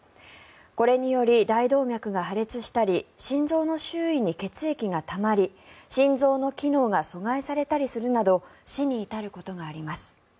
これにより大動脈が破裂したり心臓の周囲に血液がたまり心臓の機能が阻害されたりするなど死に至ることがあります。